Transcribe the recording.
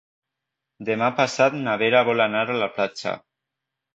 Demà passat na Vera vol anar a la platja.